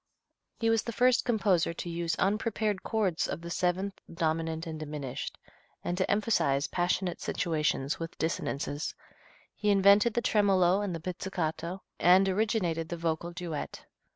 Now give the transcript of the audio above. He was the first composer to use unprepared chords of the seventh, dominant and diminished, and to emphasize passionate situations with dissonances. He invented the tremolo and the pizzicato, and originated the vocal duet.